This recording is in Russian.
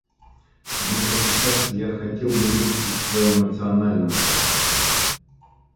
Однако сейчас я хотел бы выступить в своем национальном качестве.